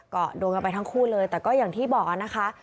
ก็โดนกันไปทั้งคู่เลยแต่ก็อย่างที่บอกนะคะ